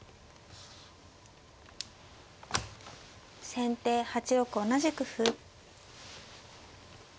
先手８六同じく歩。